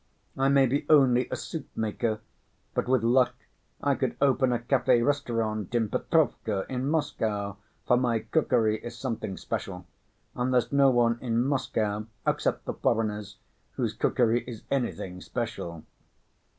I may be only a soup‐ maker, but with luck I could open a café restaurant in Petrovka, in Moscow, for my cookery is something special, and there's no one in Moscow, except the foreigners, whose cookery is anything special.